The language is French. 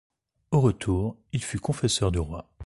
Au retour, il fut confesseur du roi.